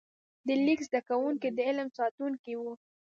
د لیک زده کوونکي د علم ساتونکي وو.